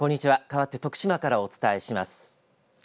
かわって徳島からお伝えします。